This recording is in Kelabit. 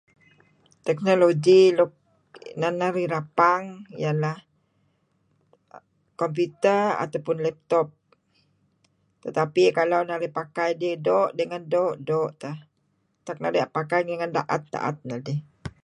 Teknologi nuk unan narih rapang iyeh lah komputer ataupun laptop. Tetapi kalau narih pakai idih doo' dengan doo' doo' teh. Tak narih pakai dih ngen daet daet nidih.